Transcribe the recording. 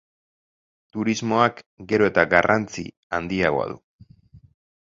Turismoak gero eta garrantzi handiagoa du.